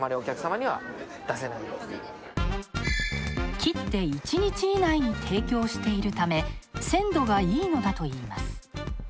切って１日以内に提供しているため鮮度がいいのだといいます。